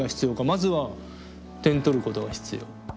まずは点取ることが必要。